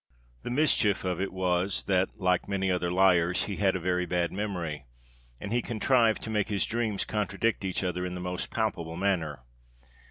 The mischief of it was, that, like many other liars, he had a very bad memory, and he contrived to make his dreams contradict each other in the most palpable manner.